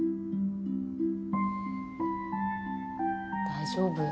大丈夫？